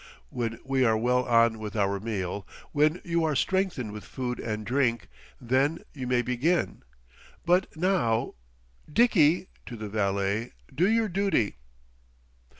When we are well on with our meal, when you are strengthened with food and drink, then you may begin. But now Dickie," to the valet, "do your duty!"